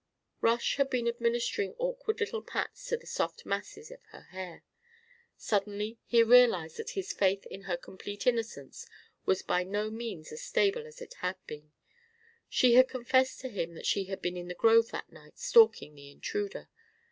Rush had been administering awkward little pats to the soft masses of her hair. Suddenly he realised that his faith in her complete innocence was by no means as stable as it had been; she had confessed to him that she had been in the grove that night stalking the intruder.